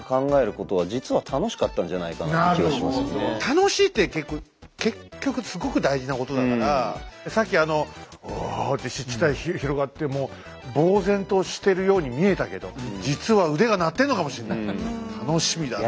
楽しいって結局すごく大事なことだからさっきあの「おぉ」って湿地帯広がってもうぼう然としてるように見えたけど楽しみだなあ。